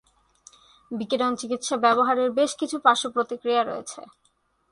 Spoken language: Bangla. বিকিরণ চিকিৎসা ব্যবহারের বেশ কিছু পার্শ্বপ্রতিক্রিয়া রয়েছে।